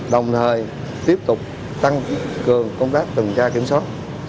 đồng thời tiếp tục tăng cường công tác tuyên truyền kiểm soát